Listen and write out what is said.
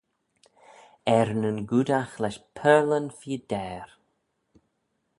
Er nyn goodagh lesh pearlyn feer deyr.